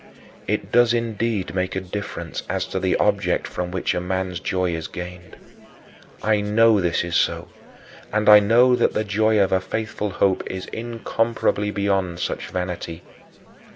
It does indeed make a difference as to the object from which a man's joy is gained. I know this is so, and I know that the joy of a faithful hope is incomparably beyond such vanity.